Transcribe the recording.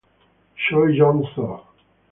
Choi Yong-soo